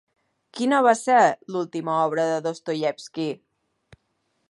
Quina va ser l'última obra de Dostoievski?